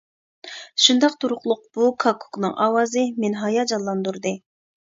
شۇنداق تۇرۇقلۇق بۇ كاككۇكنىڭ ئاۋازى مېنى ھاياجانلاندۇردى.